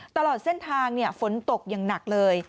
ตลอดเส้นทางฝนตกอย่างหนักเลย